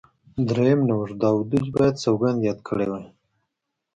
درېیم نوښت دا و دوج باید سوګند یاد کړی وای.